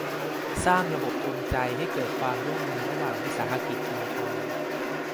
สร้างระบบจูงใจให้เกิดความร่วมมือระหว่างวิสาหกิจชุมชน